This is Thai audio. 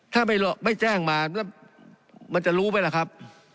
ถ้าไม่แจ้งมามันจะรู้ไหมล่ะครับ